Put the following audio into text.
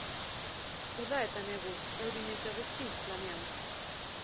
Uda eta negu, euri nahiz eguzki, lanean.